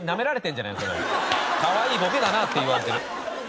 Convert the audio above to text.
かわいいボケだな！って言われてる。